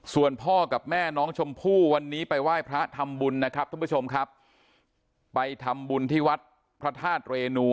ส่วนพ่อกับแม่น้องชมพู่วันนี้ไปไหว้พระทำบุญนะครับท่านผู้ชมครับไปทำบุญที่วัดพระธาตุเรนู